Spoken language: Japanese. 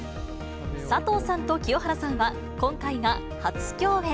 佐藤さんと清原さんは、今回が初共演。